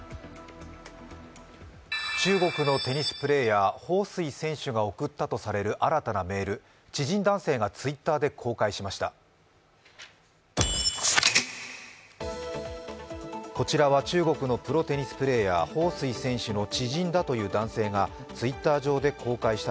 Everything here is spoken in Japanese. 中国のテニスプレーヤー、彭帥選手が送ったとされる新たなメール、知人男性がＴｗｉｔｔｅｒで公開しました。